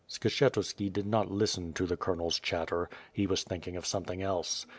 Skshetuski did not listen to the Colonel's chatter; he was thinking of something else.